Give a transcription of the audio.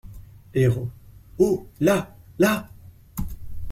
Herlaut. — Oh ! là ! là !